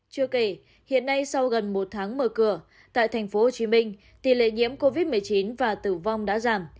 chưa kể hiện nay sau gần một tháng mở cửa tại tp hcm tỷ lệ nhiễm covid một mươi chín và tử vong đã giảm